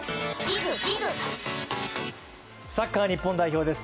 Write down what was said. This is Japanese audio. サッカー日本代表です。